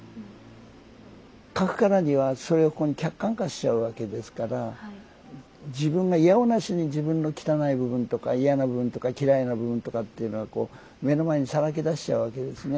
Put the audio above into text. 書くからにはそれをここに客観化しちゃうわけですから自分がいやおうなしに自分の汚い部分とか嫌な部分とか嫌いな部分とかっていうのを目の前にさらけ出しちゃうわけですね。